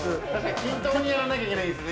◆均等にやらなきゃいけないんですね。